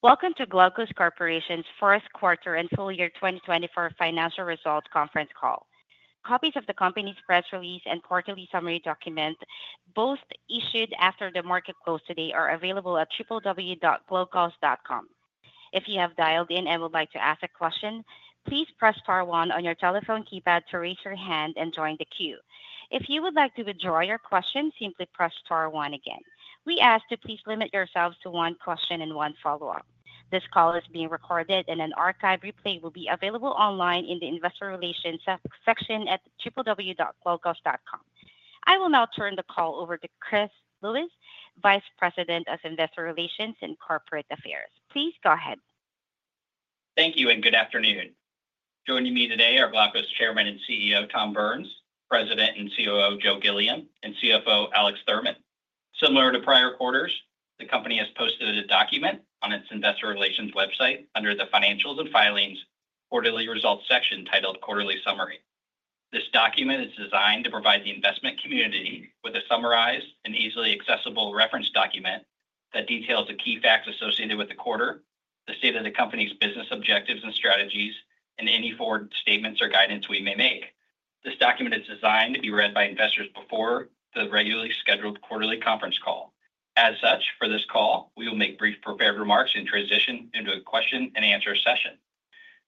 Welcome to Glaukos Corporation's Q1 And Full Year 2024 Financial Results Conference Call. Copies of the company's press release and quarterly summary document, both issued after the market closed today, are available at www.glaukos.com. If you have dialed in and would like to ask a question, please press star one on your telephone keypad to raise your hand and join the queue. If you would like to withdraw your question, simply press star one again. We ask that you please limit yourselves to one question and one follow-up. This call is being recorded, and an archive replay will be available online in the investor relations section at www.glaukos.com. I will now turn the call over to Chris Lewis, Vice President of Investor Relations and Corporate Affairs. Please go ahead. Thank you, and good afternoon. Joining me today are Glaukos Chairman and CEO Tom Burns, President and COO Joe Gilliam, and CFO Alex Thurman. Similar to prior quarters, the company has posted a document on its investor relations website under the financials and filings quarterly results section titled Quarterly Summary. This document is designed to provide the investment community with a summarized and easily accessible reference document that details the key facts associated with the quarter, the state of the company's business objectives and strategies, and any forward statements or guidance we may make. This document is designed to be read by investors before the regularly scheduled quarterly conference call. As such, for this call, we will make brief prepared remarks and transition into a question and answer session.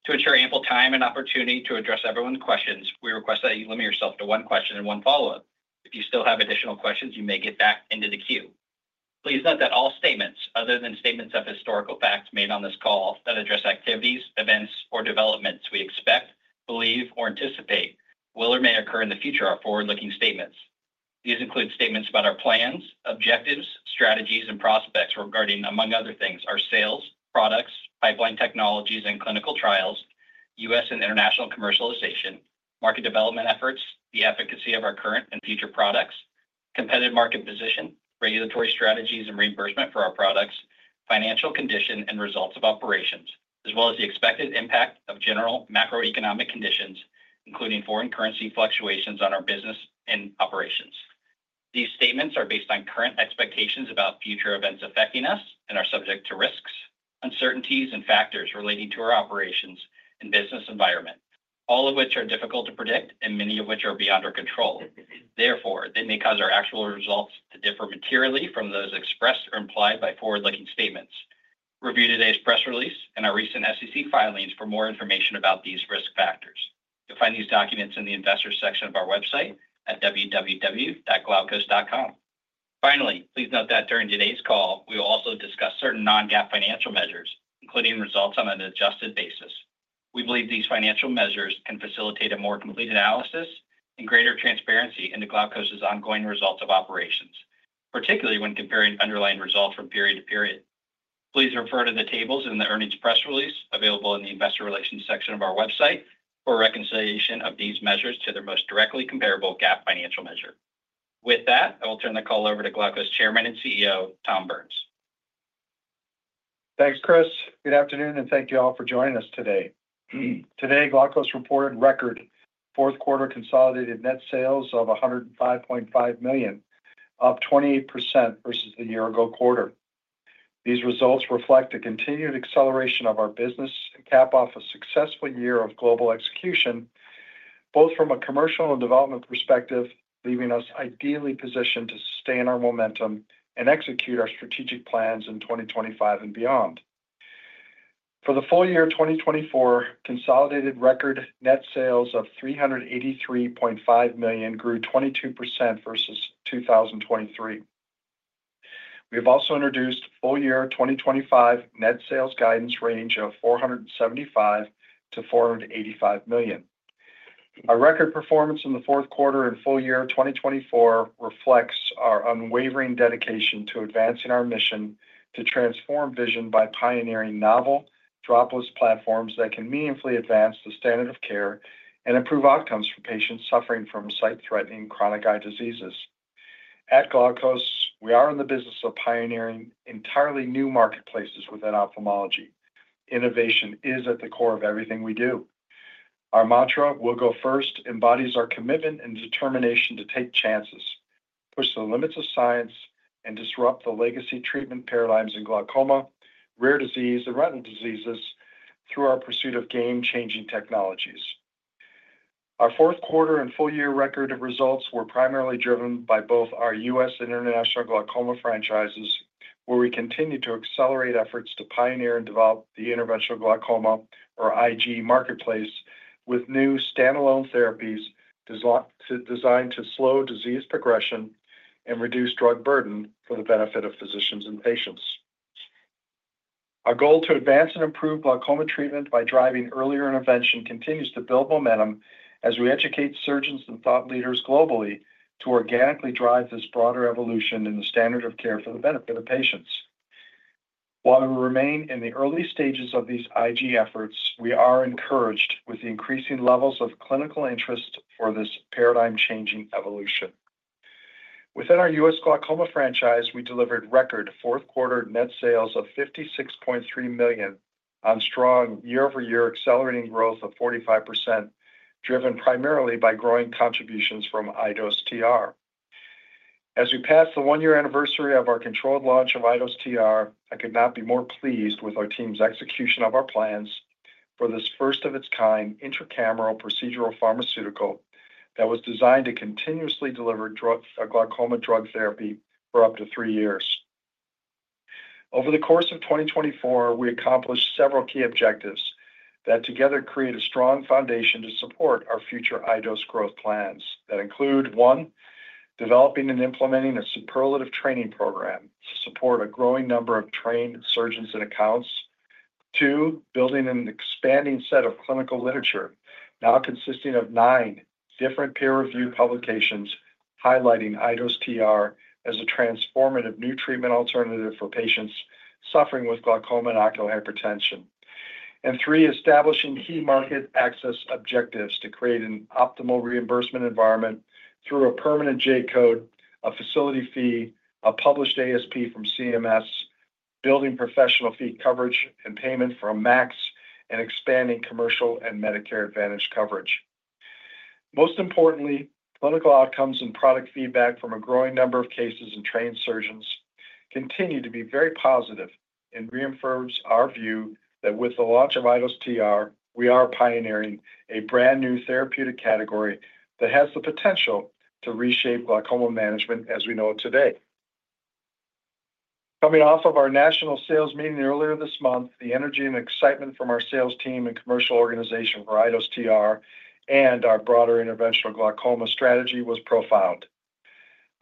To ensure ample time and opportunity to address everyone's questions, we request that you limit yourself to one question and one follow-up. If you still have additional questions, you may get back into the queue. Please note that all statements, other than statements of historical facts made on this call, that address activities, events, or developments we expect, believe, or anticipate will or may occur in the future are forward-looking statements. These include statements about our plans, objectives, strategies, and prospects regarding, among other things, our sales, products, pipeline technologies, and clinical trials, U.S. and international commercialization, market development efforts, the efficacy of our current and future products, competitive market position, regulatory strategies and reimbursement for our products, financial condition, and results of operations, as well as the expected impact of general macroeconomic conditions, including foreign currency fluctuations on our business and operations. These statements are based on current expectations about future events affecting us and are subject to risks, uncertainties, and factors relating to our operations and business environment, all of which are difficult to predict and many of which are beyond our control. Therefore, they may cause our actual results to differ materially from those expressed or implied by forward-looking statements. Review today's press release and our recent SEC filings for more information about these risk factors. You'll find these documents in the investor section of our website at www.glaukos.com. Finally, please note that during today's call, we will also discuss certain non-GAAP financial measures, including results on an adjusted basis. We believe these financial measures can facilitate a more complete analysis and greater transparency into Glaukos's ongoing results of operations, particularly when comparing underlying results from period to period. Please refer to the tables in the earnings press release available in the investor relations section of our website for reconciliation of these measures to their most directly comparable GAAP financial measure. With that, I will turn the call over to Glaukos Chairman and CEO Tom Burns. Thanks, Chris. Good afternoon, and thank you all for joining us today. Today, Glaukos reported record Q4 consolidated net sales of $105.5 million, up 28% versus the year-ago quarter. These results reflect a continued acceleration of our business and cap off a successful year of global execution, both from a commercial and development perspective, leaving us ideally positioned to sustain our momentum and execute our strategic plans in 2025 and beyond. For the full year 2024, consolidated record net sales of $383.5 million grew 22% versus 2023. We have also introduced full year 2025 net sales guidance range of $475 to 485 million. Our record performance in the Q4 and full year 2024 reflects our unwavering dedication to advancing our mission to transform vision by pioneering novel drug-eluting platforms that can meaningfully advance the standard of care and improve outcomes for patients suffering from sight-threatening chronic eye diseases. At Glaukos, we are in the business of pioneering entirely new marketplaces within ophthalmology. Innovation is at the core of everything we do. Our mantra, "We'll go first," embodies our commitment and determination to take chances, push the limits of science, and disrupt the legacy treatment paradigms in glaucoma, rare disease, and retinal diseases through our pursuit of game-changing technologies. Our Q4 and full year record of results were primarily driven by both our U.S. and International Glaucoma franchises, where we continue to accelerate efforts to pioneer and develop the Interventional Glaucoma, or IG, marketplace with new standalone therapies designed to slow disease progression and reduce drug burden for the benefit of physicians and patients. Our goal to advance and improve glaucoma treatment by driving earlier intervention continues to build momentum as we educate surgeons and thought leaders globally to organically drive this broader evolution in the standard of care for the benefit of patients. While we remain in the early stages of these IG efforts, we are encouraged with the increasing levels of clinical interest for this paradigm-changing evolution. Within our U.S. glaucoma franchise, we delivered record Q4 net sales of $56.3 million on strong year-over-year accelerating growth of 45%, driven primarily by growing contributions from iDose TR. As we pass the one-year anniversary of our controlled launch of iDose TR, I could not be more pleased with our team's execution of our plans for this first-of-its-kind intracameral procedural pharmaceutical that was designed to continuously deliver glaucoma drug therapy for up to three years. Over the course of 2024, we accomplished several key objectives that together create a strong foundation to support our future iDose growth plans that include, one, developing and implementing a superlative training program to support a growing number of trained surgeons and accounts, two, building an expanding set of clinical literature now consisting of nine different peer-reviewed publications highlighting iDose TR as a transformative new treatment alternative for patients suffering with glaucoma and ocular hypertension, and three, establishing key market access objectives to create an optimal reimbursement environment through a permanent J-code, a facility fee, a published ASP from CMS, building professional fee coverage and payment for a MAC and expanding commercial and Medicare Advantage coverage. Most importantly, clinical outcomes and product feedback from a growing number of cases and trained surgeons continue to be very positive and reaffirms our view that with the launch of iDose TR, we are pioneering a brand new therapeutic category that has the potential to reshape glaucoma management as we know it today. Coming off of our national sales meeting earlier this month, the energy and excitement from our sales team and commercial organization for iDose TR and our broader Interventional Glaucoma strategy was profound.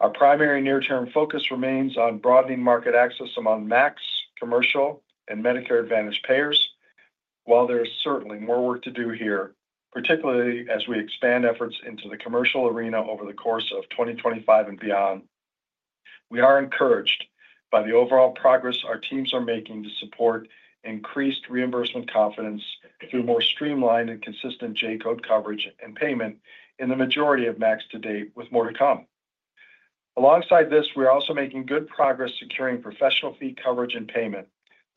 Our primary near-term focus remains on broadening market access among MAC, commercial and Medicare Advantage payers, while there is certainly more work to do here, particularly as we expand efforts into the commercial arena over the course of 2025 and beyond. We are encouraged by the overall progress our teams are making to support increased reimbursement confidence through more streamlined and consistent J-code coverage and payment in the majority of MACs to date, with more to come. Alongside this, we are also making good progress securing professional fee coverage and payment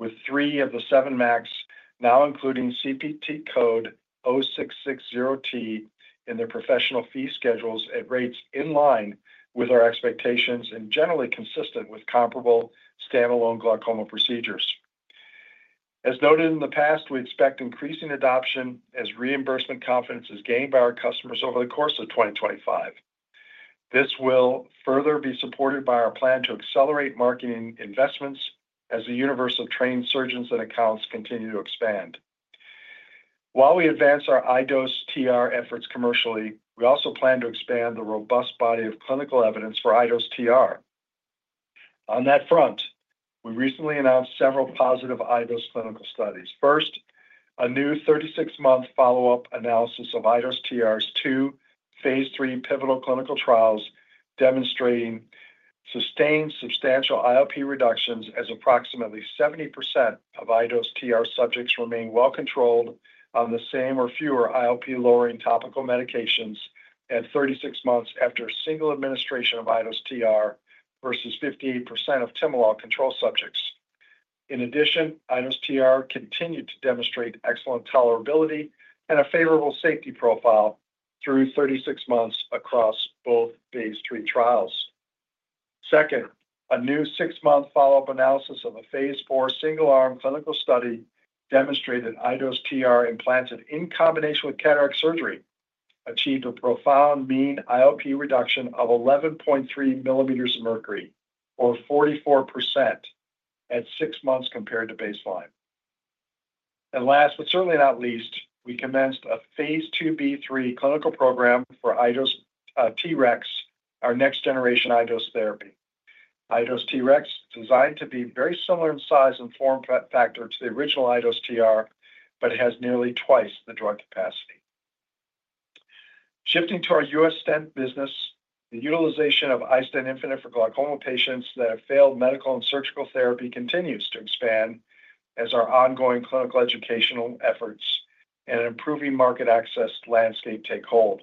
with three of the seven MACs, now including CPT code 0660T, in their professional fee schedules at rates in line with our expectations and generally consistent with comparable standalone glaucoma procedures. As noted in the past, we expect increasing adoption as reimbursement confidence is gained by our customers over the course of 2025. This will further be supported by our plan to accelerate marketing investments as the universe of trained surgeons and accounts continue to expand. While we advance our iDose TR efforts commercially, we also plan to expand the robust body of clinical evidence for iDose TR. On that front, we recently announced several positive iDose clinical studies. First, a new 36-month follow-up analysis of iDose TR's two phase III pivotal clinical trials demonstrating sustained substantial IOP reductions as approximately 70% of iDose TR subjects remain well controlled on the same or fewer IOP-lowering topical medications at 36 months after a single administration of iDose TR versus 58% of timolol control subjects. In addition, iDose TR continued to demonstrate excellent tolerability and a favorable safety profile through 36 months across both phase III trials. Second, a new six-month follow-up analysis of a phase IV single-arm clinical study demonstrated iDose TR implanted in combination with cataract surgery achieved a profound mean IOP reduction of 11.3 millimeters of mercury, or 44%, at six months compared to baseline. And last, but certainly not least, we commenced a phase II B3 clinical program for iDose TREX, our next-generation iDose therapy. iDose TREX is designed to be very similar in size and form factor to the original iDose TR, but has nearly twice the drug capacity. Shifting to our U.S. stent business, the utilization of iStent Infinite for glaucoma patients that have failed medical and surgical therapy continues to expand as our ongoing clinical educational efforts and improving market access landscape take hold.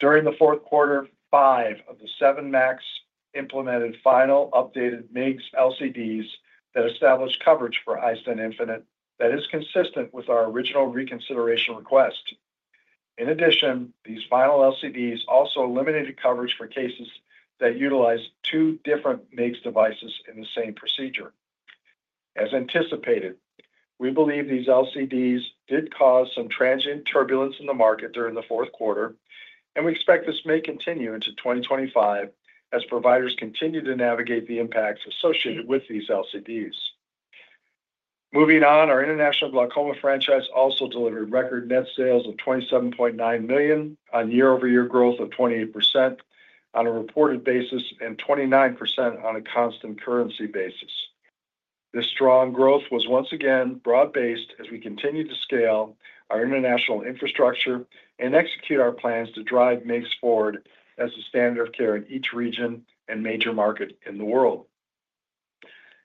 During the Q4, five of the seven MACs implemented final updated MIGS LCDs that established coverage for iStent Infinite that is consistent with our original reconsideration request. In addition, these final LCDs also eliminated coverage for cases that utilize two different MIGS devices in the same procedure. As anticipated, we believe these LCDs did cause some transient turbulence in the market during the Q4, and we expect this may continue into 2025 as providers continue to navigate the impacts associated with these LCDs. Moving on, our International Glaucoma franchise also delivered record net sales of $27.9 million on year-over-year growth of 28% on a reported basis and 29% on a constant currency basis. This strong growth was once again broad-based as we continue to scale our international infrastructure and execute our plans to drive MIGS forward as the standard of care in each region and major market in the world.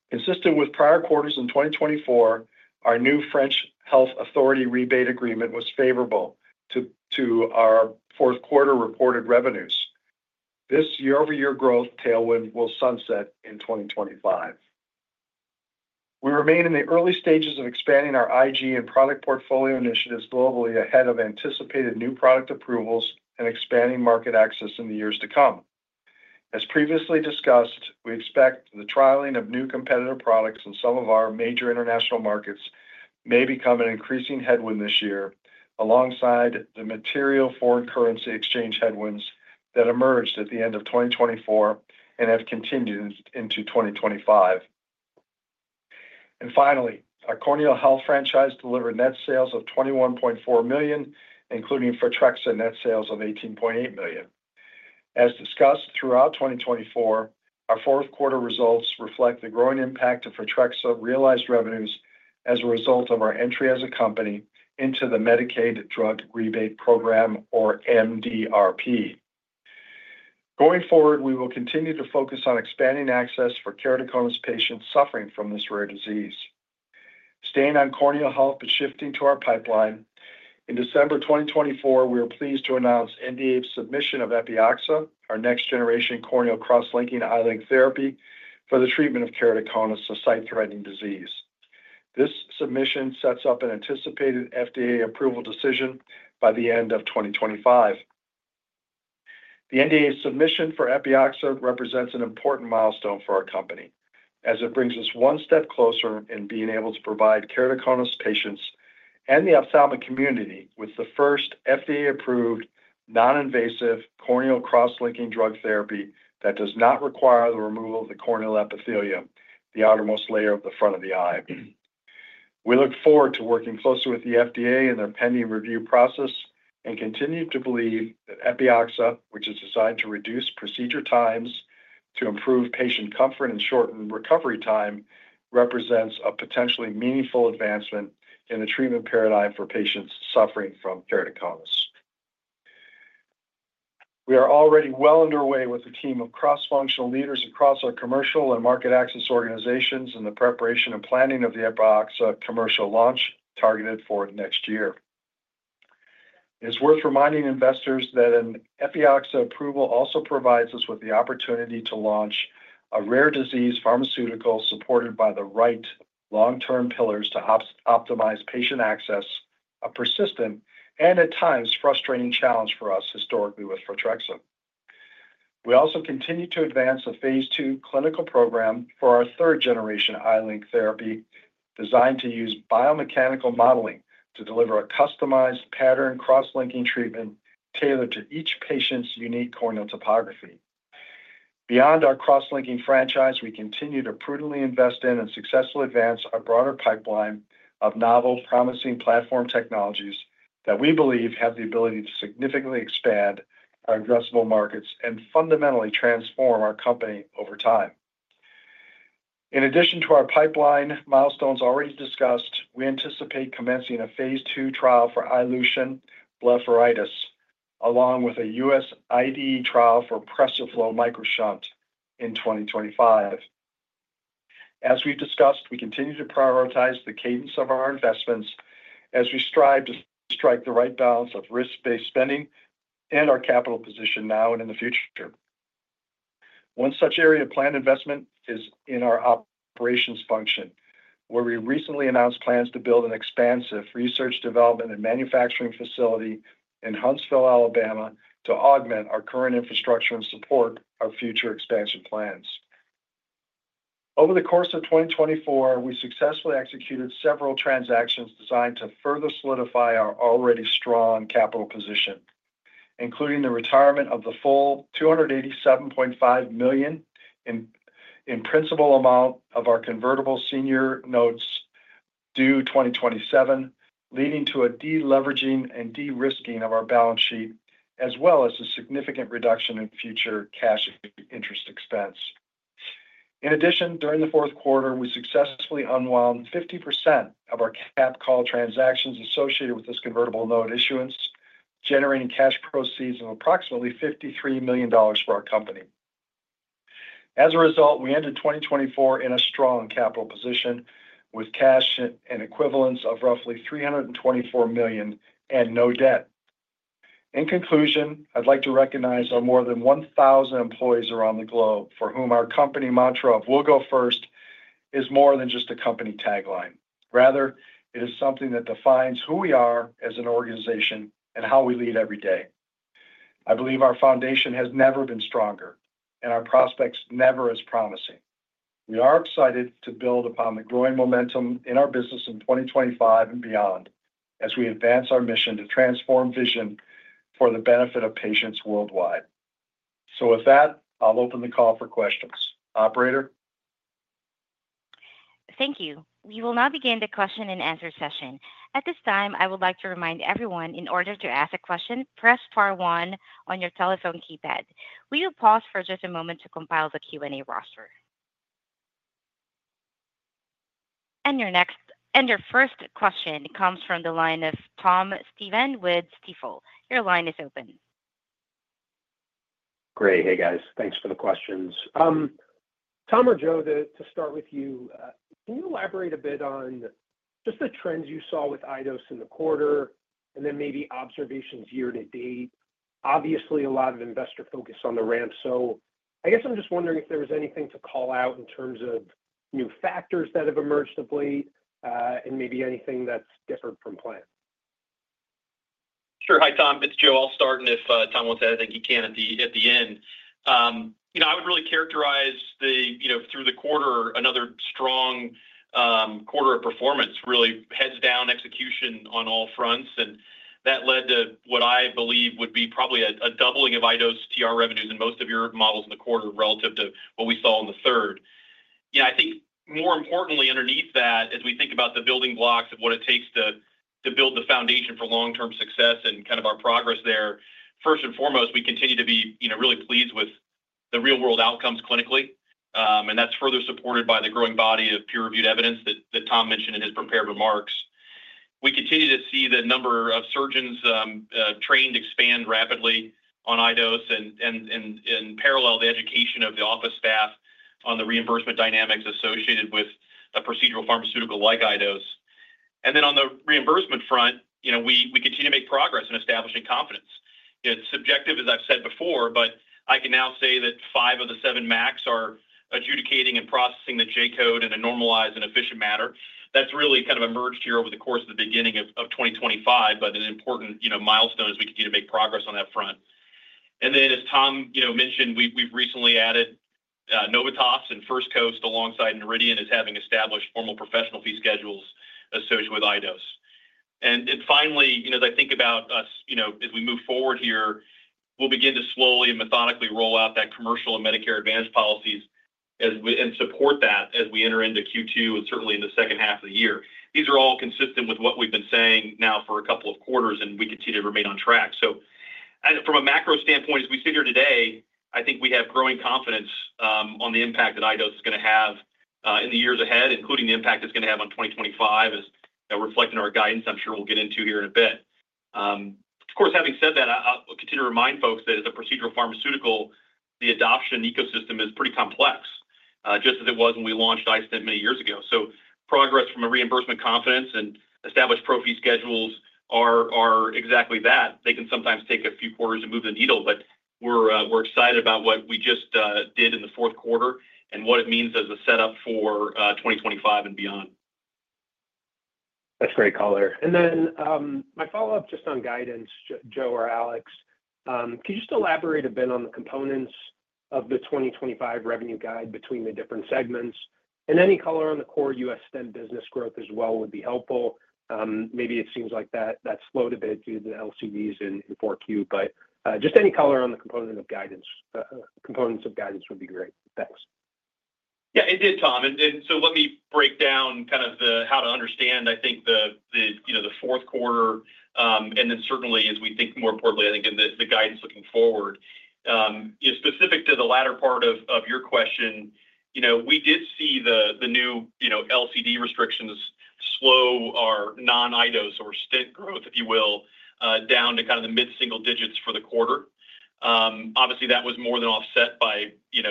Consistent with prior quarters in 2024, our new French health authority rebate agreement was favorable to our Q4 reported revenues. This year-over-year growth tailwind will sunset in 2025. We remain in the early stages of expanding our IG and product portfolio initiatives globally ahead of anticipated new product approvals and expanding market access in the years to come. As previously discussed, we expect the trialing of new competitor products in some of our major international markets may become an increasing headwind this year alongside the material foreign currency exchange headwinds that emerged at the end of 2024 and have continued into 2025. And finally, our Corneal Health franchise delivered net sales of $21.4 million, including PHOTREXA net sales of $18.8 million. As discussed throughout 2024, our Q4 results reflect the growing impact of PHOTREXA realized revenues as a result of our entry as a company into the Medicaid Drug Rebate Program, or MDRP. Going forward, we will continue to focus on expanding access for keratoconus patients suffering from this rare disease. Staying on Corneal Health, but shifting to our pipeline, in December 2024, we are pleased to announce NDA submission of Epioxa, our next-generation corneal cross-linking iLink therapy for the treatment of keratoconus, a sight-threatening disease. This submission sets up an anticipated FDA approval decision by the end of 2025. The NDA submission for Epioxa represents an important milestone for our company as it brings us one step closer in being able to provide keratoconus patients and the ophthalmic community with the first FDA-approved non-invasive corneal cross-linking drug therapy that does not require the removal of the corneal epithelium, the outermost layer of the front of the eye. We look forward to working closer with the FDA in their pending review process and continue to believe that Epioxa, which is designed to reduce procedure times to improve patient comfort and shorten recovery time, represents a potentially meaningful advancement in the treatment paradigm for patients suffering from keratoconus. We are already well underway with a team of cross-functional leaders across our commercial and market access organizations in the preparation and planning of the Epioxa commercial launch targeted for next year. It's worth reminding investors that an Epioxa approval also provides us with the opportunity to launch a rare disease pharmaceutical supported by the right long-term pillars to optimize patient access, a persistent and at times frustrating challenge for us historically with PHOTREXA. We also continue to advance a phase II clinical program for our third-generation iLink therapy designed to use biomechanical modeling to deliver a customized pattern cross-linking treatment tailored to each patient's unique corneal topography. Beyond our cross-linking franchise, we continue to prudently invest in and successfully advance our broader pipeline of novel, promising platform technologies that we believe have the ability to significantly expand our addressable markets and fundamentally transform our company over time. In addition to our pipeline milestones already discussed, we anticipate commencing a phase II trial for iLution blepharitis, along with a U.S. IDE trial for PreserFlo MicroShunt in 2025. As we've discussed, we continue to prioritize the cadence of our investments as we strive to strike the right balance of risk-based spending and our capital position now and in the future. One such area of planned investment is in our operations function, where we recently announced plans to build an expansive research, development, and manufacturing facility in Huntsville, Alabama, to augment our current infrastructure and support our future expansion plans. Over the course of 2024, we successfully executed several transactions designed to further solidify our already strong capital position, including the retirement of the full $287.5 million in principal amount of our convertible senior notes due 2027, leading to a deleveraging and de-risking of our balance sheet, as well as a significant reduction in future cash interest expense. In addition, during the Q4, we successfully unwound 50% of our cap call transactions associated with this convertible note issuance, generating cash proceeds of approximately $53 million for our company. As a result, we ended 2024 in a strong capital position with cash and equivalents of roughly $324 million and no debt. In conclusion, I'd like to recognize our more than 1,000 employees around the globe for whom our company mantra of "We'll go first" is more than just a company tagline. Rather, it is something that defines who we are as an organization and how we lead every day. I believe our foundation has never been stronger and our prospects never as promising. We are excited to build upon the growing momentum in our business in 2025 and beyond as we advance our mission to transform vision for the benefit of patients worldwide, so with that, I'll open the call for questions. Operator. Thank you. We will now begin the question and answer session. At this time, I would like to remind everyone in order to ask a question, press star one on your telephone keypad. We will pause for just a moment to compile the Q&A roster, and your first question comes from the line of Tom Stephan with Stifel. Your line is open. Great. Hey, guys. Thanks for the questions. Tom or Joe, to start with you, can you elaborate a bit on just the trends you saw with iDose in the quarter and then maybe observations year to date? Obviously, a lot of investor focus on the ramp, so I guess I'm just wondering if there was anything to call out in terms of new factors that have emerged of late and maybe anything that's different from planned. Sure. Hi, Tom. It's Joe. I'll start, and if Tom wants to add anything, he can at the end. I would really characterize through the quarter another strong quarter of performance, really heads-down execution on all fronts, and that led to what I believe would be probably a doubling of iDose TR revenues in most of your models in the quarter relative to what we saw in the third. I think more importantly, underneath that, as we think about the building blocks of what it takes to build the foundation for long-term success and kind of our progress there, first and foremost, we continue to be really pleased with the real-world outcomes clinically. That's further supported by the growing body of peer-reviewed evidence that Tom mentioned in his prepared remarks. We continue to see the number of surgeons trained expand rapidly on iDose, and in parallel, the education of the office staff on the reimbursement dynamics associated with a procedural pharmaceutical like iDose. Then on the reimbursement front, we continue to make progress in establishing confidence. It's subjective, as I've said before, but I can now say that five of the seven MACs are adjudicating and processing the J-code in a normalized and efficient manner. That's really kind of emerged here over the course of the beginning of 2025, but an important milestone as we continue to make progress on that front. And then, as Tom mentioned, we've recently added Novitas and First Coast alongside Noridian as having established formal professional fee schedules associated with iDose. And finally, as I think about us as we move forward here, we'll begin to slowly and methodically roll out that commercial and Medicare Advantage policies and support that as we enter into Q2 and certainly in the second half of the year. These are all consistent with what we've been saying now for a couple of quarters, and we continue to remain on track. From a macro standpoint, as we sit here today, I think we have growing confidence on the impact that iDose is going to have in the years ahead, including the impact it's going to have on 2025 as reflected in our guidance. I'm sure we'll get into here in a bit. Of course, having said that, I'll continue to remind folks that as a procedural pharmaceutical, the adoption ecosystem is pretty complex, just as it was when we launched iStent many years ago. Progress from a reimbursement confidence and established pro fee schedules are exactly that. They can sometimes take a few quarters and move the needle, but we're excited about what we just did in the Q4 and what it means as a setup for 2025 and beyond. That's great color. And then my follow-up just on guidance, Joe or Alex, could you just elaborate a bit on the components of the 2025 revenue guide between the different segments? And any color on the core U.S. iStent business growth as well would be helpful. Maybe it seems like that's slowed a bit due to the LCDs in 4Q, but just any color on the components of guidance would be great. Thanks. Yeah, it did, Tom. And so let me break down kind of how to understand, I think, the Q4. And then certainly, as we think more importantly, I think in the guidance looking forward, specific to the latter part of your question, we did see the new LCD restrictions slow our non-iDose or iStent growth, if you will, down to kind of the mid-single digits for the quarter. Obviously, that was more than offset by the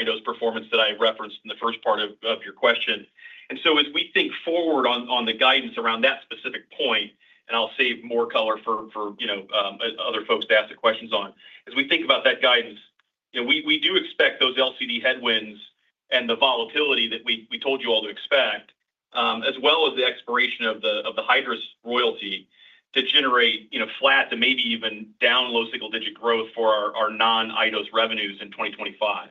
iDose performance that I referenced in the first part of your question, and so as we think forward on the guidance around that specific point, and I'll save more color for other folks to ask the questions on, as we think about that guidance, we do expect those LCD headwinds and the volatility that we told you all to expect, as well as the expiration of the Hydrus royalty to generate flat to maybe even down low single-digit growth for our non-iDose revenues in 2025,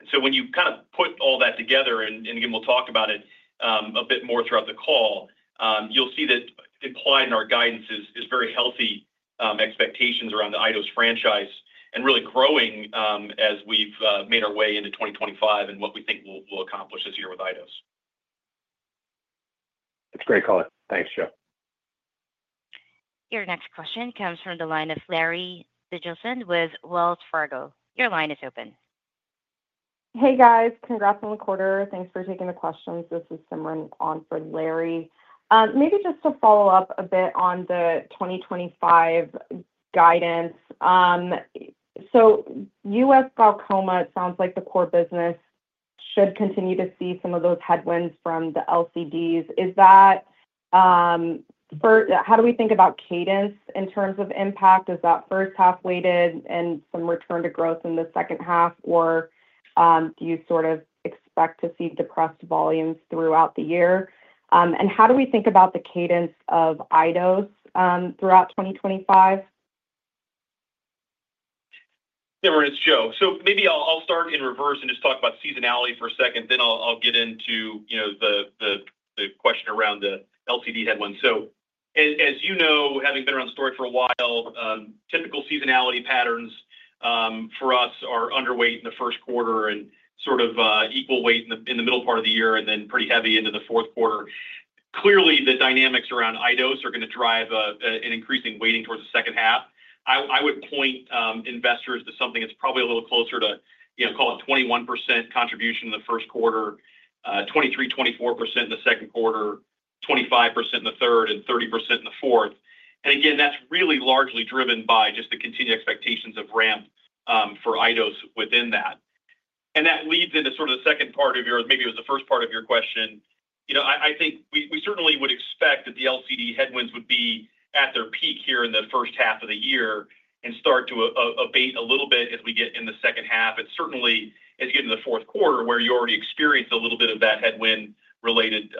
and so when you kind of put all that together, and again, we'll talk about it a bit more throughout the call, you'll see that implied in our guidance is very healthy expectations around the iDose franchise and really growing as we've made our way into 2025 and what we think we'll accomplish this year with iDose. That's great, Operator. Thanks, Joe. Your next question comes from the line of Larry Biegelsen with Wells Fargo. Your line is open. Hey, guys. Congrats on the quarter. Thanks for taking the questions. This is Simran on for Larry. Maybe just to follow up a bit on the 2025 guidance. So U.S. glaucoma, it sounds like the core business should continue to see some of those headwinds from the LCDs. How do we think about cadence in terms of impact? Is that first half weighted and some return to growth in the second half, or do you sort of expect to see depressed volumes throughout the year? And how do we think about the cadence of iDose throughout 2025? Simran and Joe. So maybe I'll start in reverse and just talk about seasonality for a second, then I'll get into the question around the LCD headwinds. So as you know, having been around the story for a while, typical seasonality patterns for us are underweight in the Q1 and sort of equal weight in the middle part of the year and then pretty heavy into the Q4. Clearly, the dynamics around iDose are going to drive an increasing weighting towards the second half. I would point investors to something that's probably a little closer to, call it 21% contribution in the Q1, 23% to 24% in the Q2, 25% in the third, and 30% in the fourth. And again, that's really largely driven by just the continued expectations of ramp for iDose within that. And that leads into sort of the second part of your, maybe it was the first part of your question. I think we certainly would expect that the LCD headwinds would be at their peak here in the first half of the year and start to abate a little bit as we get in the second half, and certainly, as you get into the Q4, where you already experienced a little bit of that headwind-related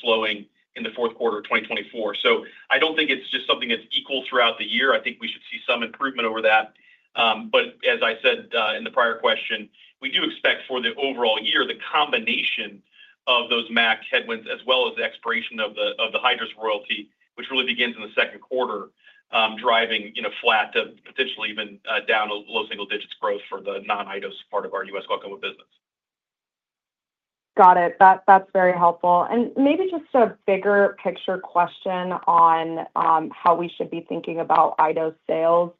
slowing in the Q4 of 2024, so I don't think it's just something that's equal throughout the year. I think we should see some improvement over that, but as I said in the prior question, we do expect for the overall year, the combination of those MAC headwinds as well as the expiration of the Hydrus royalty, which really begins in the Q2, driving flat to potentially even down low single digits growth for the non-iDose part of our U.S. Glaucoma business. Got it. That's very helpful. Maybe just a bigger picture question on how we should be thinking about iDose sales.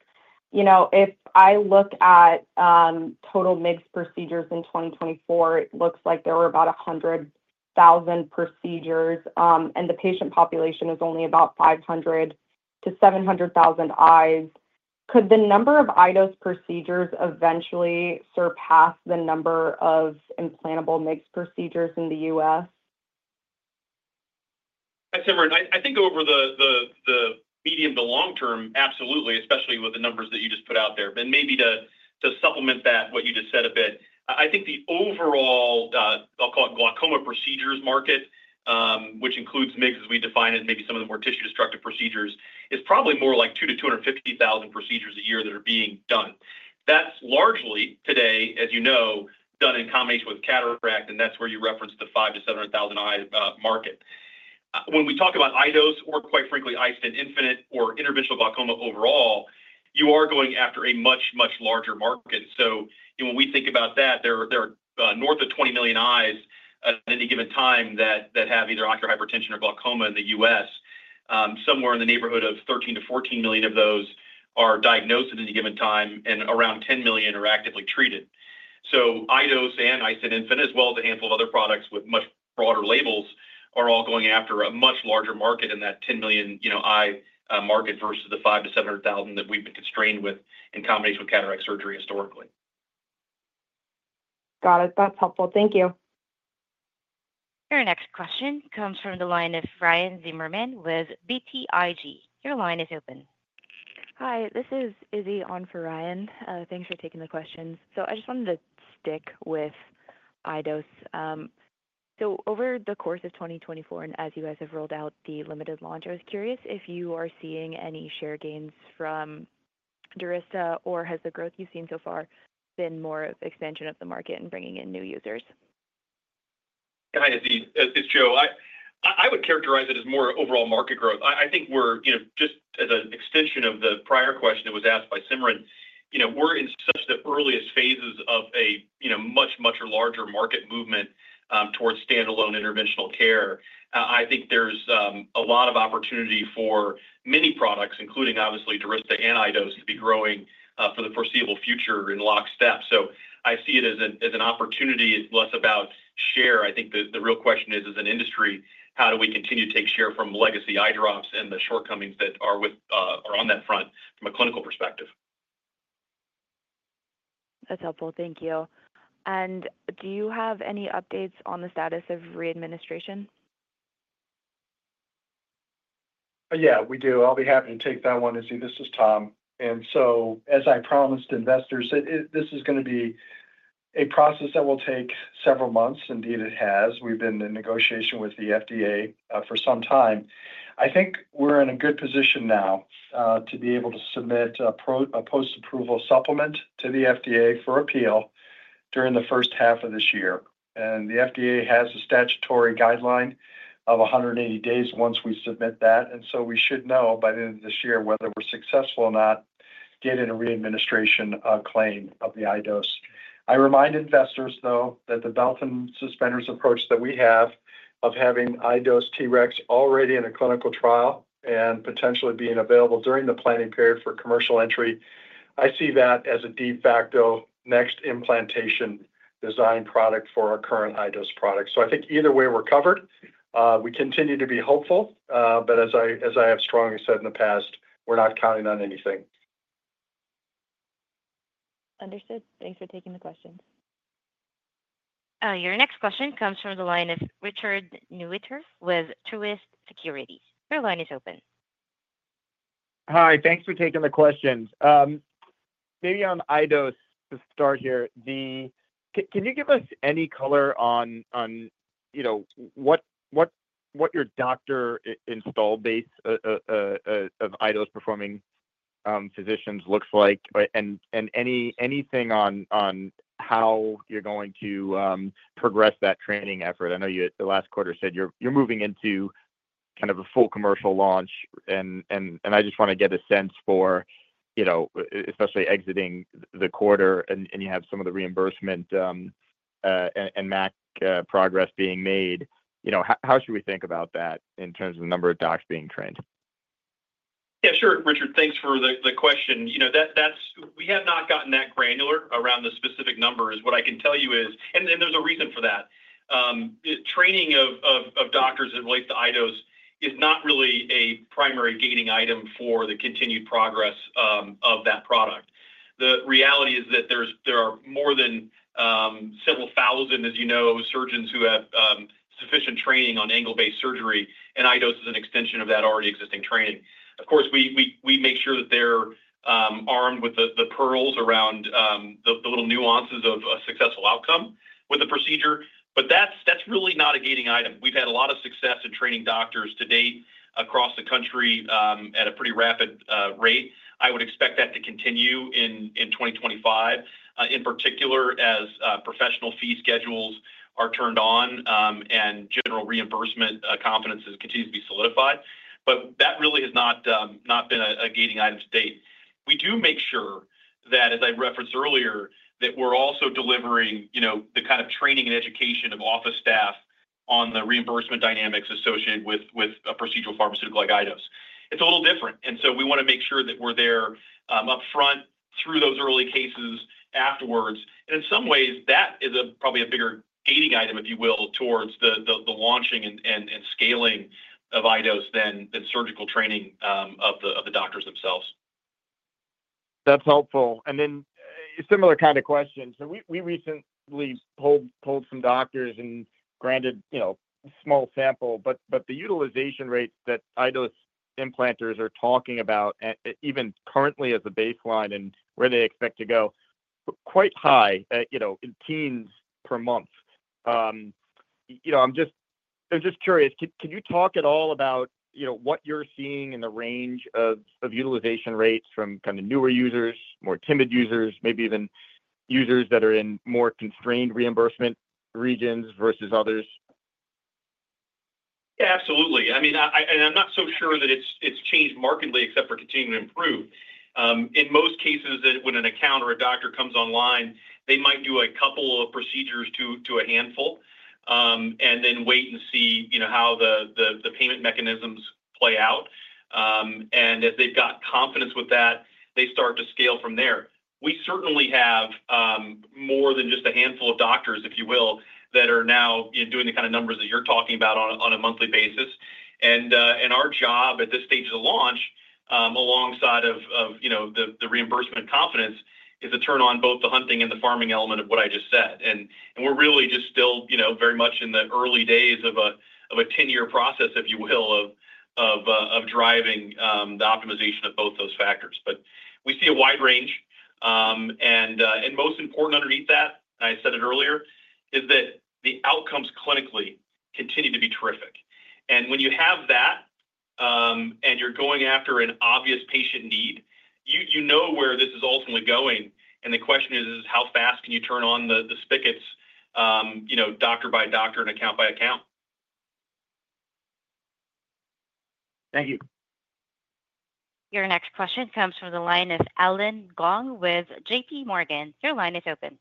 If I look at total MIGS procedures in 2024, it looks like there were about 100,000 procedures, and the patient population is only about 500 to 700,000 eyes. Could the number of iDose procedures eventually surpass the number of implantable MIGS procedures in the US? Simran, I think over the medium to long term, absolutely, especially with the numbers that you just put out there. Maybe to supplement that, what you just said a bit, I think the overall, I'll call it glaucoma procedures market, which includes MIGS as we define it, maybe some of the more tissue-destructive procedures, is probably more like 2 to 250,000 procedures a year that are being done. That's largely today, as you know, done in combination with cataract, and that's where you referenced the 500,000-700,000 eye market. When we talk about iDose or, quite frankly, iStent Infinite or Interventional Glaucoma overall, you are going after a much, much larger market. So when we think about that, there are north of 20 million eyes at any given time that have either ocular hypertension or glaucoma in the U.S. Somewhere in the neighborhood of 13-14 million of those are diagnosed at any given time, and around 10 million are actively treated. So iDose and iStent Infinite, as well as a handful of other products with much broader labels, are all going after a much larger market in that 10 million eye market versus the 500,000-700,000 that we've been constrained with in combination with cataract surgery historically. Got it. That's helpful. Thank you. Your next question comes from the line of Ryan Zimmerman with BTIG. Your line is open. Hi. This is Izzy on for Ryan. Thanks for taking the questions. So I just wanted to stick with iDose. So over the course of 2024, and as you guys have rolled out the limited launch, I was curious if you are seeing any share gains from Durysta, or has the growth you've seen so far been more of expansion of the market and bringing in new users? Hi, Izzy. This is Joe. I would characterize it as more overall market growth. I think we're just, as an extension of the prior question that was asked by Simran, we're in such the earliest phases of a much, much larger market movement towards standalone interventional care. I think there's a lot of opportunity for many products, including obviously Durysta and iDose, to be growing for the foreseeable future in lockstep. So I see it as an opportunity. It's less about share. I think the real question is, as an industry, how do we continue to take share from legacy eye drops and the shortcomings that are on that front from a clinical perspective? That's helpful. Thank you. And do you have any updates on the status of readministration? Yeah, we do. I'll be happy to take that one as you. This is Tom. And so, as I promised investors, this is going to be a process that will take several months. Indeed, it has. We've been in negotiation with the FDA for some time. I think we're in a good position now to be able to submit a post-approval supplement to the FDA for iDose during the first half of this year. The FDA has a statutory guideline of 180 days once we submit that. We should know by the end of this year whether we're successful or not getting a readministration claim of the iDose. I remind investors, though, that the belt and suspenders approach that we have of having iDose TREX already in a clinical trial and potentially being available during the planning period for commercial entry, I see that as a de facto next implantation design product for our current iDose product. So I think either way we're covered. We continue to be hopeful, but as I have strongly said in the past, we're not counting on anything. Understood. Thanks for taking the questions. Your next question comes from the line of Richard Newitter with Truist Securities. Your line is open. Hi. Thanks for taking the questions. Maybe on iDose to start here, can you give us any color on what your doctor install base of iDose performing physicians looks like and anything on how you're going to progress that training effort? I know you at the last quarter said you're moving into kind of a full commercial launch, and I just want to get a sense for, especially exiting the quarter, and you have some of the reimbursement and MAC progress being made. How should we think about that in terms of the number of docs being trained? Yeah, sure, Richard. Thanks for the question. We have not gotten that granular around the specific numbers. What I can tell you is, and there's a reason for that. Training of doctors in relation to iDose is not really a primary gating item for the continued progress of that product. The reality is that there are more than several thousand, as you know, surgeons who have sufficient training on angle-based surgery, and iDose is an extension of that already existing training. Of course, we make sure that they're armed with the pearls around the little nuances of a successful outcome with the procedure, but that's really not a gating item. We've had a lot of success in training doctors to date across the country at a pretty rapid rate. I would expect that to continue in 2025, in particular as professional fee schedules are turned on and general reimbursement confidence continues to be solidified. But that really has not been a gating item to date. We do make sure that, as I referenced earlier, that we're also delivering the kind of training and education of office staff on the reimbursement dynamics associated with a procedural pharmaceutical like iDose. It's a little different, and so we want to make sure that we're there upfront through those early cases afterwards. And in some ways, that is probably a bigger gating item, if you will, towards the launching and scaling of iDose than surgical training of the doctors themselves. That's helpful, and then a similar kind of question, so we recently pulled some doctors and granted a small sample, but the utilization rates that iDose implanters are talking about, even currently as a baseline and where they expect to go, quite high in teens per month. I'm just curious. Can you talk at all about what you're seeing in the range of utilization rates from kind of newer users, more timid users, maybe even users that are in more constrained reimbursement regions ver sus others? Yeah, absolutely. I mean, and I'm not so sure that it's changed markedly except for continuing to improve. In most cases, when an account or a doctor comes online, they might do a couple of procedures to a handful and then wait and see how the payment mechanisms play out, and as they've got confidence with that, they start to scale from there. We certainly have more than just a handful of doctors, if you will, that are now doing the kind of numbers that you're talking about on a monthly basis. And our job at this stage of the launch, alongside of the reimbursement confidence, is to turn on both the hunting and the farming element of what I just said. And we're really just still very much in the early days of a 10-year process, if you will, of driving the optimization of both those factors. But we see a wide range. And most important underneath that, I said it earlier, is that the outcomes clinically continue to be terrific. And when you have that and you're going after an obvious patient need, you know where this is ultimately going. And the question is, how fast can you turn on the spigots doctor by doctor and account by account? Thank you. Your next question comes from the line of Allen Gong with J.P. Morgan. Your line is open.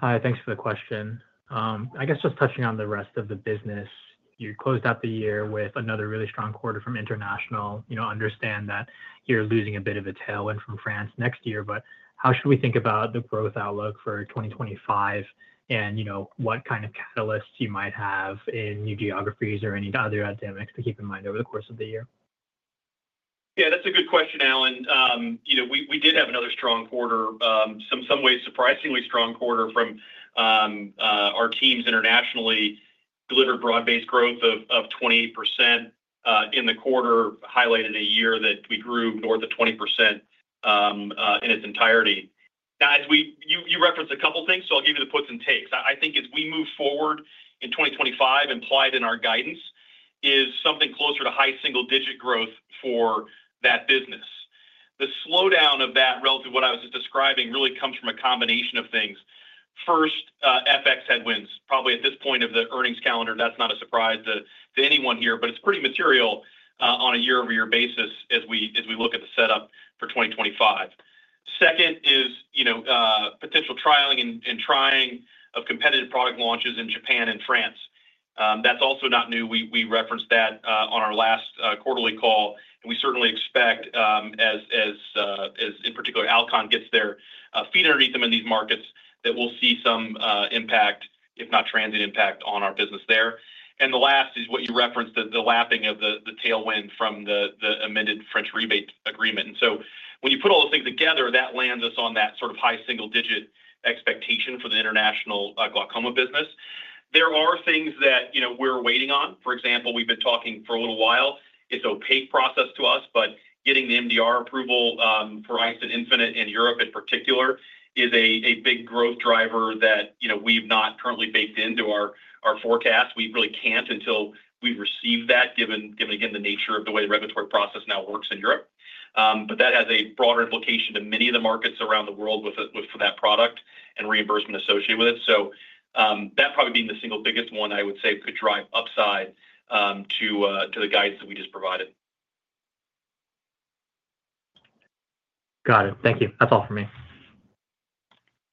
Hi. Thanks for the question.I guess just touching on the rest of the business, you closed out the year with another really strong quarter from international. Understand that you're losing a bit of a tailwind from France next year, but how should we think about the growth outlook for 2025 and what kind of catalysts you might have in new geographies or any other dynamics to keep in mind over the course of the year? Yeah, that's a good question, Allen. We did have another strong quarter, some ways surprisingly strong quarter from our teams internationally, delivered broad-based growth of 28% in the quarter, highlighted a year that we grew north of 20% in its entirety. Now, you referenced a couple of things, so I'll give you the puts and takes. I think as we move forward in 2025, implied in our guidance, is something closer to high single-digit growth for that business. The slowdown of that relative to what I was describing really comes from a combination of things. First, FX headwinds. Probably at this point of the earnings calendar, that's not a surprise to anyone here, but it's pretty material on a year-over-year basis as we look at the setup for 2025. Second is potential trialing and trying of competitive product launches in Japan and France. That's also not new. We referenced that on our last quarterly call, and we certainly expect, as in particular, Alcon gets their feet underneath them in these markets, that we'll see some impact, if not transient impact, on our business there. And the last is what you referenced, the lapping of the tailwind from the amended French rebate agreement. And so when you put all those things together, that lands us on that sort of high single-digit expectation for the International Glaucoma business. There are things that we're waiting on. For example, we've been talking for a little while. It's an opaque process to us, but getting the MDR approval for iStent Infinite in Europe in particular is a big growth driver that we've not currently baked into our forecast. We really can't until we receive that, given again the nature of the way the regulatory process now works in Europe. But that has a broader implication to many of the markets around the world for that product and reimbursement associated with it. So that probably being the single biggest one I would say could drive upside to the guidance that we just provided. Got it. Thank you. That's all for me.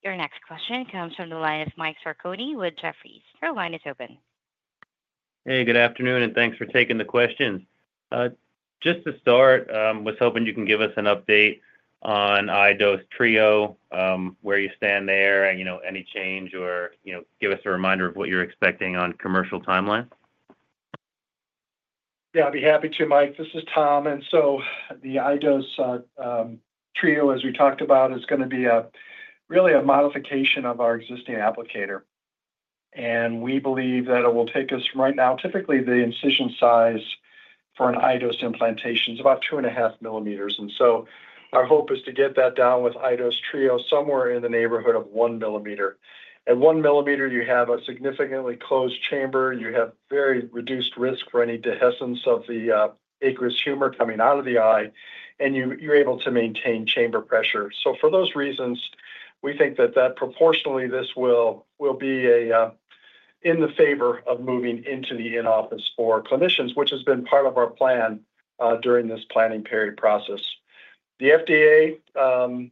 Your next question comes from the line of Mike Sarcone with Jefferies. Your line is open. Hey, good afternoon, and thanks for taking the questions. Just to start, I was hoping you can give us an update on iDose 3.0, where you stand there, any change, or give us a reminder of what you're expecting on commercial timeline? Yeah, I'd be happy to, Mike. This is Tom. And so the iDose 3.0, as we talked about, is going to be really a modification of our existing applicator. And we believe that it will take us from right now, typically the incision size for an iDose implantation is about 2.5 millimeters. And so our hope is to get that down with iDose 3.0 somewhere in the neighborhood of 1 millimeter. At 1 millimeter, you have a significantly closed chamber. You have very reduced risk for any dehiscence of the aqueous humor coming out of the eye, and you're able to maintain chamber pressure. For those reasons, we think that proportionally this will be in the favor of moving into the in-office for clinicians, which has been part of our plan during this planning period process. The FDA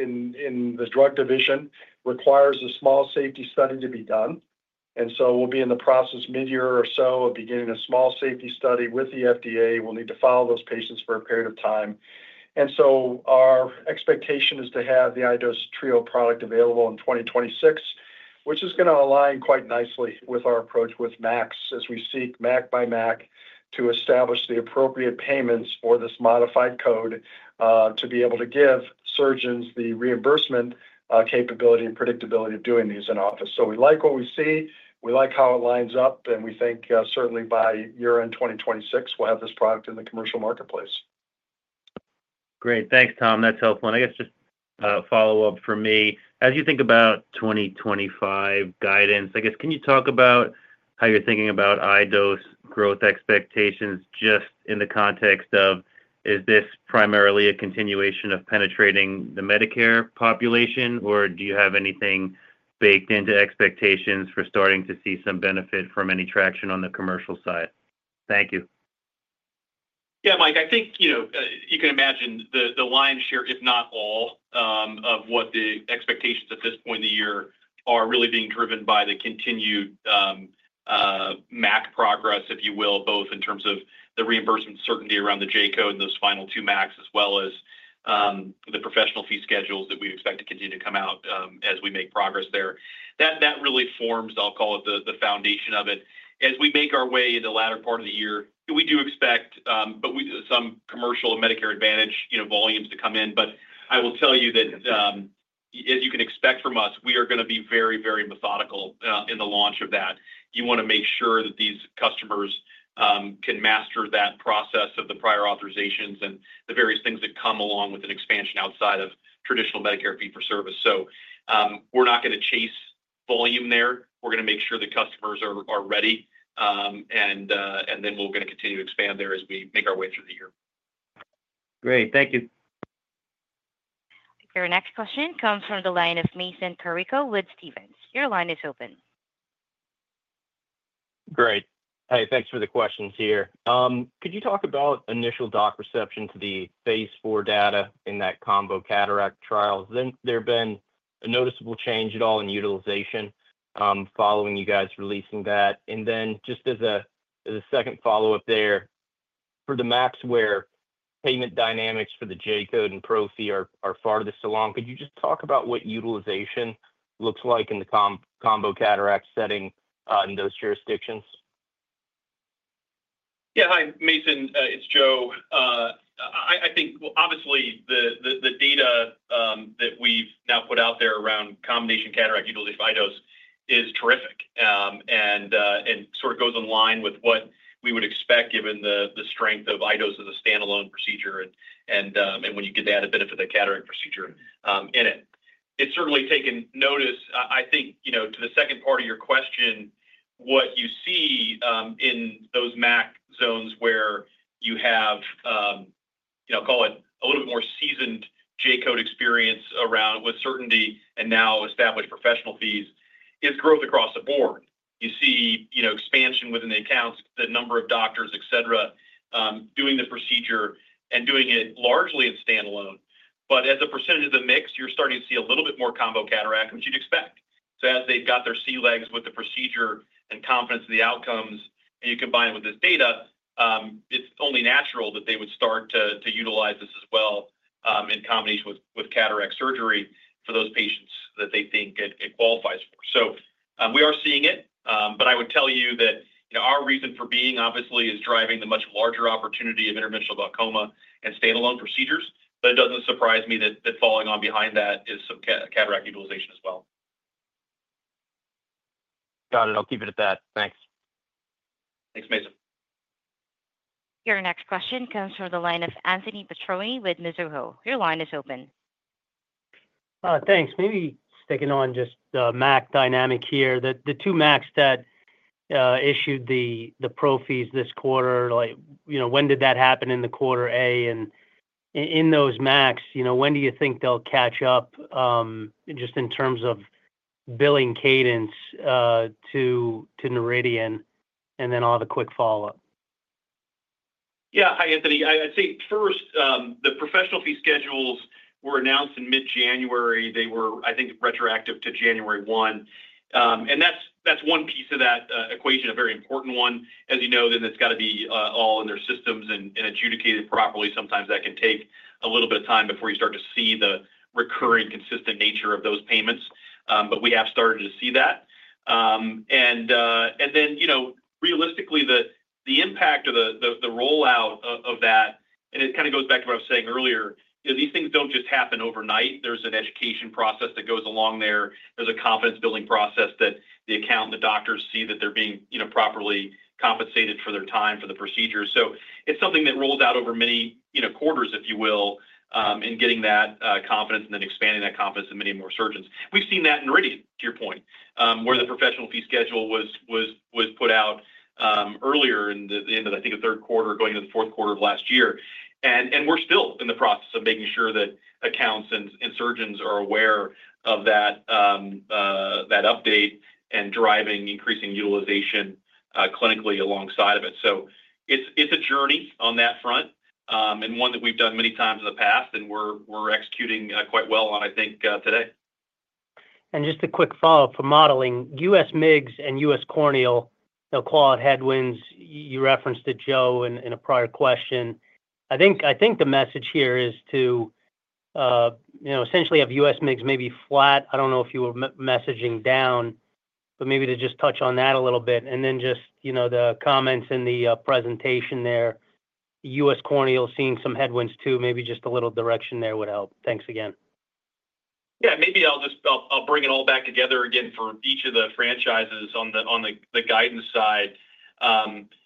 in the drug division requires a small safety study to be done. We'll be in the process mid-year or so of beginning a small safety study with the FDA. We'll need to follow those patients for a period of time. Our expectation is to have the iDose 3.0 product available in 2026, which is going to align quite nicely with our approach with MACs, as we seek MAC by MAC to establish the appropriate payments for this modified-code to be able to give surgeons the reimbursement capability and predictability of doing these in office. We like what we see. We like how it lines up, and we think certainly by year-end 2026, we'll have this product in the commercial marketplace. Great. Thanks, Tom. That's helpful. And I guess just a follow-up for me. As you think about 2025 guidance, I guess, can you talk about how you're thinking about iDose growth expectations just in the context of, is this primarily a continuation of penetrating the Medicare population, or do you have anything baked into expectations for starting to see some benefit from any traction on the commercial side? Thank you. Yeah, Mike, I think you can imagine the lion's share, if not all, of what the expectations at this point in the year are really being driven by the continued MAC progress, if you will, both in terms of the reimbursement certainty around the J-code and those final two MACs, as well as the professional fee schedules that we expect to continue to come out as we make progress there. That really forms, I'll call it the foundation of it. As we make our way into the latter part of the year, we do expect some commercial and Medicare Advantage volumes to come in. But I will tell you that, as you can expect from us, we are going to be very, very methodical in the launch of that. You want to make sure that these customers can master that process of the prior authorizations and the various things that come along with an expansion outside of traditional Medicare fee for service. So we're not going to chase volume there. We're going to make sure the customers are ready, and then we're going to continue to expand there as we make our way through the year. Great. Thank you. Your next question comes from the line of Mason Carrico with Stephens. Your line is open. Great. Hey, thanks for the questions here. Could you talk about initial doc reception to the phase IV data in that combo cataract trial? Has there been a noticeable change at all in utilization following you guys releasing that? And then just as a second follow-up there, for the MACs, where payment dynamics for the J-code and Pro Fee are farthest along, could you just talk about what utilization looks like in the combo cataract setting in those jurisdictions? Yeah. Hi, Mason. It's Joe. I think, obviously, the data that we've now put out there around combination cataract utilization for iDose is terrific and sort of goes in line with what we would expect, given the strength of iDose as a standalone procedure and when you get the added benefit of the cataract procedure in it. It's certainly taken notice, I think, to the second part of your question, what you see in those MAC zones where you have, I'll call it, a little bit more seasoned J-code experience around with certainty and now established professional fees, is growth across the board. You see expansion within the accounts, the number of doctors, etc., doing the procedure and doing it largely in standalone. But as a percentage of the mix, you're starting to see a little bit more combo cataract, which you'd expect. So as they've got their sea legs with the procedure and confidence in the outcomes, and you combine it with this data, it's only natural that they would start to utilize this as well in combination with cataract surgery for those patients that they think it qualifies for. So we are seeing it, but I would tell you that our reason for being, obviously, is driving the much larger opportunity of Interventional Glaucoma and standalone procedures. But it doesn't surprise me that falling in behind that is some cataract utilization as well. Got it. I'll keep it at that. Thanks. Thanks, Mason. Your next question comes from the line of Anthony Petrone with Mizuho. Your line is open. Thanks. Maybe sticking on just the MAC dynamic here. The two MACs that issued the Pro Fees this quarter, when did that happen in the quarter? A? And in those MACs, when do you think they'll catch up just in terms of billing cadence to Noridian and then a quick follow-up? Yeah. Hi, Anthony. I'd say first, the professional fee schedules were announced in mid-January. They were, I think, retroactive to January 1. And that's one piece of that equation, a very important one. As you know, then it's got to be all in their systems and adjudicated properly. Sometimes that can take a little bit of time before you start to see the recurring, consistent nature of those payments. But we have started to see that. Then realistically, the impact or the rollout of that, and it kind of goes back to what I was saying earlier. These things don't just happen overnight. There's an education process that goes along there. There's a confidence-building process that the account and the doctors see that they're being properly compensated for their time for the procedure. So it's something that rolls out over many quarters, if you will, in getting that confidence and then expanding that confidence in many more surgeons. We've seen that in Noridian, to your point, where the professional fee schedule was put out earlier in the end of, I think, the Q3 going into the Q4 of last year. And we're still in the process of making sure that accounts and surgeons are aware of that update and driving increasing utilization clinically alongside of it. So it's a journey on that front and one that we've done many times in the past, and we're executing quite well on, I think, today. And just a quick follow-up for modeling, US MIGS and US Corneal, they'll call out headwinds. You referenced it, Joe, in a prior question. I think the message here is to essentially have US MIGS maybe flat. I don't know if you were messaging down, but maybe to just touch on that a little bit. And then just the comments in the presentation there, US Corneal seeing some headwinds too, maybe just a little direction there would help. Thanks again. Yeah. Maybe I'll bring it all back together again for each of the franchises on the guidance side.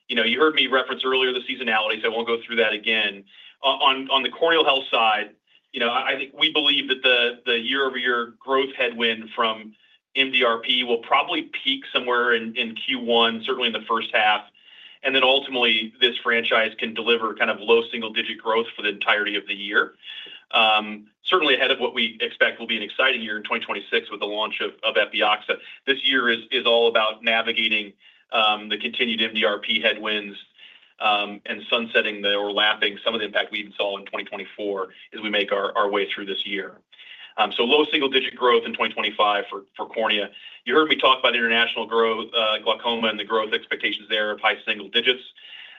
You heard me reference earlier the seasonalities. I won't go through that again. On the Corneal Health side, I think we believe that the year-over-year growth headwind from MDRP will probably peak somewhere in Q1, certainly in the first half. And then ultimately, this franchise can deliver kind of low single-digit growth for the entirety of the year. Certainly ahead of what we expect will be an exciting year in 2026 with the launch of Epioxa. This year is all about navigating the continued MDRP headwinds and sunsetting or lapping some of the impact we even saw in 2024 as we make our way through this year, so low single-digit growth in 2025 for cornea. You heard me talk about International Glaucoma and the growth expectations there of high single digits.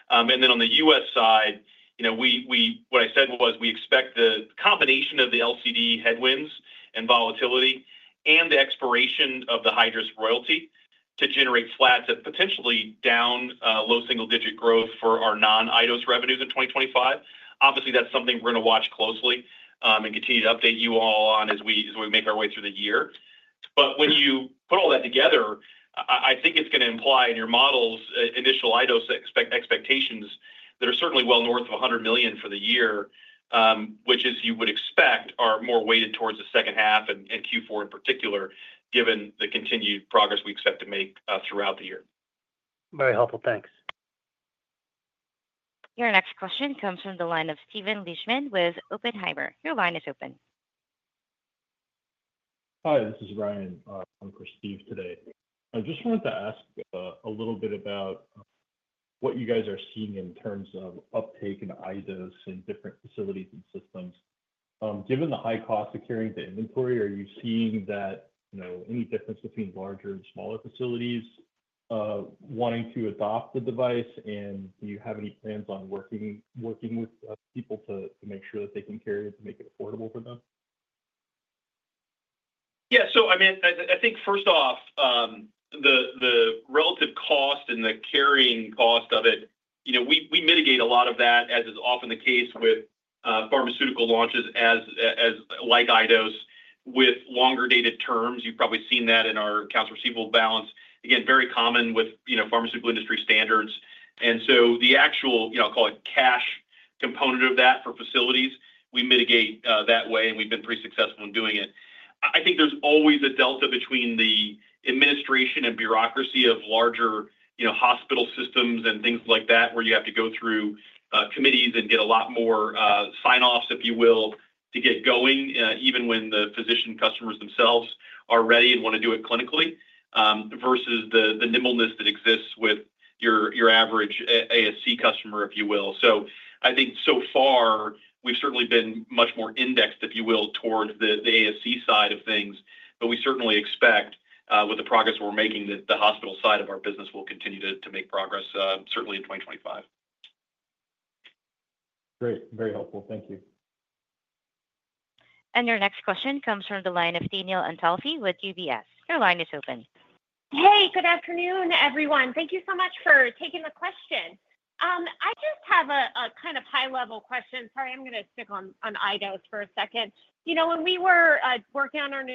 And then on the U.S. side, what I said was we expect the combination of the LCD headwinds and volatility and the expiration of the Hydrus royalty to generate flat to potentially down low single-digit growth for our non-iDose revenues in 2025. Obviously, that's something we're going to watch closely and continue to update you all on as we make our way through the year. But when you put all that together, I think it's going to imply in your models initial iDose expectations that are certainly well north of $100 million for the year, which, as you would expect, are more weighted towards the second half and Q4 in particular, given the continued progress we expect to make throughout the year. Very helpful. Thanks. Your next question comes from the line of Steven Lichtman with Oppenheimer. Your line is open. Hi, this is Ryan. I'm with Steve today. I just wanted to ask a little bit about what you guys are seeing in terms of uptake in iDose in different facilities and systems. Given the high cost of carrying the inventory, are you seeing any difference between larger and smaller facilities wanting to adopt the device? And do you have any plans on working with people to make sure that they can carry it to make it affordable for them? Yeah, so I mean, I think, first off, the relative cost and the carrying cost of it, we mitigate a lot of that, as is often the case with pharmaceutical launches like iDose, with longer-dated terms. You've probably seen that in our accounts receivable balance. Again, very common with pharmaceutical industry standards, and so the actual, I'll call it cash component of that for facilities, we mitigate that way, and we've been pretty successful in doing it. I think there's always a delta between the administration and bureaucracy of larger hospital systems and things like that, where you have to go through committees and get a lot more sign-offs, if you will, to get going, even when the physician customers themselves are ready and want to do it clinically, versus the nimbleness that exists with your average ASC customer, if you will. So I think, so far, we've certainly been much more indexed, if you will, towards the ASC side of things. But we certainly expect, with the progress we're making, that the hospital side of our business will continue to make progress, certainly in 2025. Great. Very helpful. Thank you. And your next question comes from the line of Danielle Antalffy with UBS. Your line is open. Hey, good afternoon, everyone. Thank you so much for taking the question. I just have a kind of high-level question. Sorry, I'm going to stick on iDose for a second. When we were working on our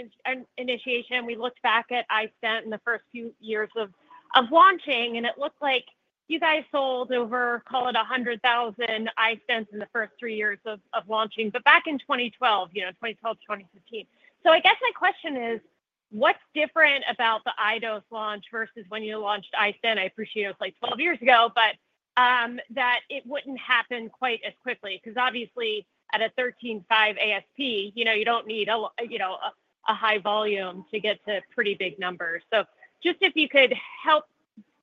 initiation, we looked back at iStent in the first few years of launching, and it looked like you guys sold over, call it, 100,000 iStents in the first three years of launching, but back in 2012, 2015. So I guess my question is, what's different about the iDose launch versus when you launched iStent? I appreciate it was like 12 years ago, but that it wouldn't happen quite as quickly because, obviously, at a $13.5 ASP, you don't need a high volume to get to pretty big numbers. So just if you could help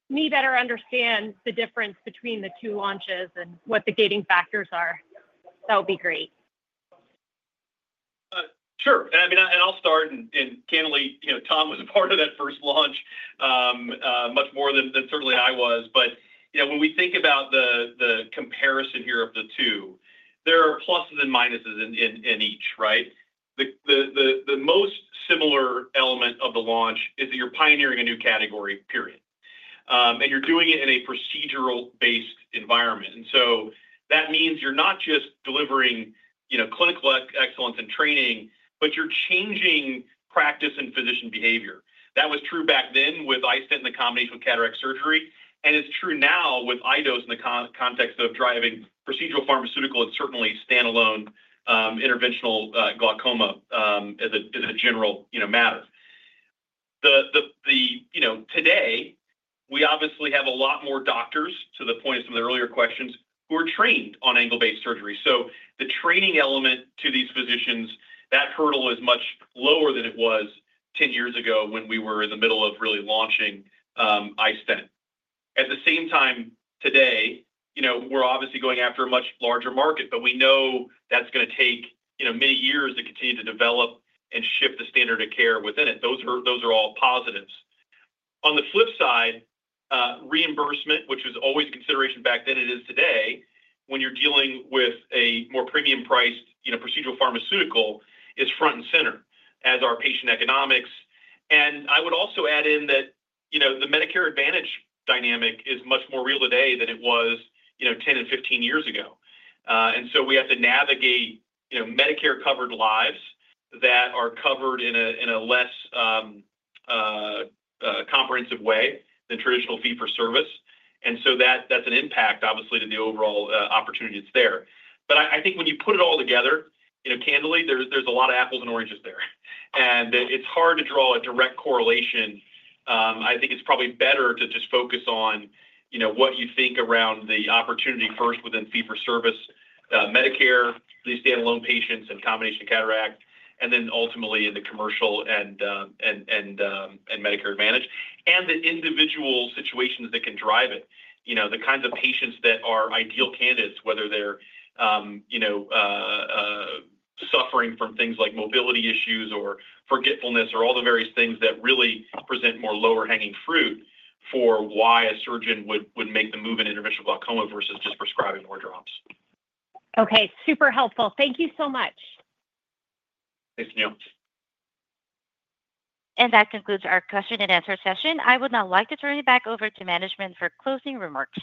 me better understand the difference between the two launches and what the gating factors are, that would be great. Sure. I mean, I'll start, and candidly, Tom was a part of that first launch much more than certainly I was, but when we think about the comparison here of the two, there are pluses and minuses in each, right? The most similar element of the launch is that you're pioneering a new category, period. You're doing it in a procedural-based environment. So that means you're not just delivering clinical excellence and training, but you're changing practice and physician behavior. That was true back then with iStent in the combination with cataract surgery. It's true now with iDose in the context of driving procedural pharmaceutical and certainly standalone Interventional Glaucoma as a general matter. Today, we obviously have a lot more doctors, to the point of some of the earlier questions, who are trained on angle-based surgery. The training element to these physicians, that hurdle is much lower than it was 10 years ago when we were in the middle of really launching iStent. At the same time, today, we're obviously going after a much larger market, but we know that's going to take many years to continue to develop and shift the standard of care within it. Those are all positives. On the flip side, reimbursement, which was always a consideration back then, it is today, when you're dealing with a more premium-priced procedural pharmaceutical, is front and center as are patient economics. I would also add in that the Medicare Advantage dynamic is much more real today than it was 10 and 15 years ago. We have to navigate Medicare-covered lives that are covered in a less comprehensive way than traditional fee-for-service. And so that's an impact, obviously, to the overall opportunity that's there. But I think when you put it all together, candidly, there's a lot of apples and oranges there. And it's hard to draw a direct correlation. I think it's probably better to just focus on what you think around the opportunity first within fee-for-service, Medicare, the standalone patients and combination cataract, and then ultimately in the commercial and Medicare Advantage, and the individual situations that can drive it, the kinds of patients that are ideal candidates, whether they're suffering from things like mobility issues or forgetfulness or all the various things that really present more lower-hanging fruit for why a surgeon would make the move in Interventional Glaucoma versus just prescribing more drops. Okay. Super helpful. Thank you so much. Thanks, Danielle. And that concludes our question-and-answer session. I would now like to turn it back over to management for closing remarks.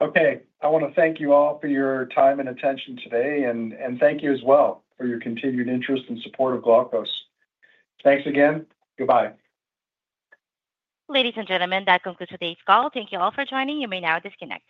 Okay. I want to thank you all for your time and attention today, and thank you as well for your continued interest and support of Glaukos. Thanks again. Goodbye. Ladies and gentlemen, that concludes today's call. Thank you all for joining. You may now disconnect.